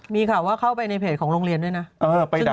มีข่าวว่าเข้าไปในเพจของโรงเรียนด้วยนะ